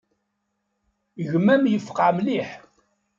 Gma-m yefqeε mliḥ.